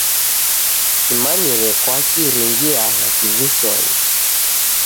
Simanyire kwaki ringiagha kivisonyi.